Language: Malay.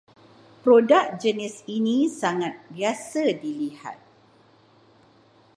Produk jenis ini sangat biasa dilihat